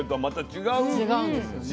違うんですよね。